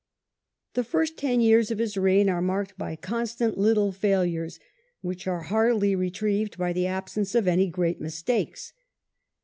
The first ten years of this reign are marked by constant little failures which are hardly retrieved by the absence of any great mistakes.